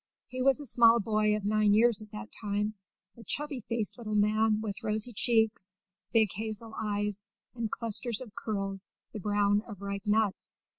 He was a small boy of nine years at that time a chubby faced little man with rosy cheeks, big hazel eyes, and clusters of curls the brown of ripe nuts.